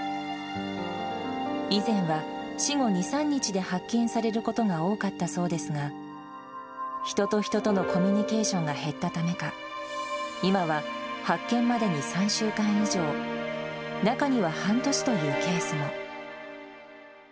以前は死後２、３日で発見されることが多かったそうですが、人と人とのコミュニケーションが減ったためか、今は発見までに３週間以上、中には半年というケースも。